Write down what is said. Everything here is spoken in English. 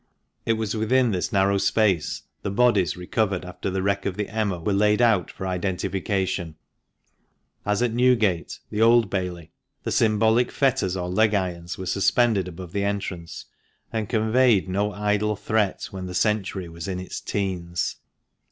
(It was within this narrow space the bodies recovered after the wreck of the Emma were laid out for identification.) As at Newgate (the Old Bailey), the symbolic fetters or leg irons were suspended above the entrance, and conveyed no idle threat when the century was in its teens.